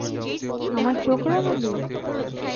আমায় চোখ রাঙালি?